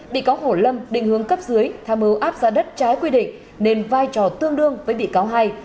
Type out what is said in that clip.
bị cáo hổ lâm định hướng cấp dưới tham ưu áp ra đất trái quy định nên vai trò tương đương với bị cáo hai